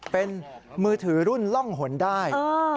เป็นมือถือรุ่นล่องหนได้